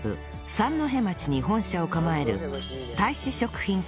三戸町に本社を構える